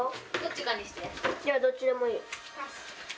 じゃあ、どっちでもいい。